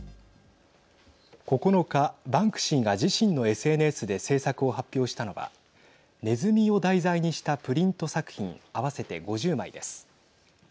９日、バンクシーが自身のＳＮＳで制作を発表したのはねずみを題材にしたプリント作品合わせて５０枚です。